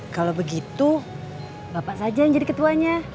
kalau begitu bapak saja yang jadi ketuanya